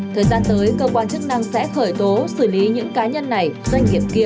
thời gian tới cơ quan chức năng sẽ khởi tố xử lý những cá nhân này doanh nghiệp kia